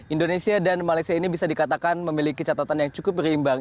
indonesia dan malaysia ini bisa dikatakan memiliki catatan yang cukup berimbang